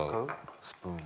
スプーン。